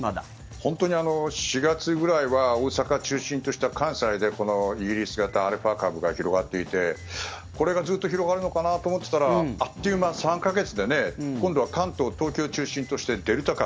本当に４月ぐらいは大阪を中心とした関西でこのイギリス型、アルファ株が広がっていてこれがずっと広がるのかなと思っていたらあっという間、３か月で今度は関東、東京を中心としてデルタ株。